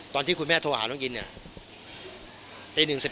ตอนที่คุณแม่โทรหาน้องอินเนี่ย